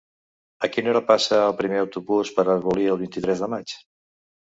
A quina hora passa el primer autobús per Arbolí el vint-i-tres de maig?